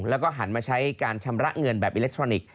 แล้วก็หันมาใช้การชำระเงินแบบอิเล็กทรอนิกส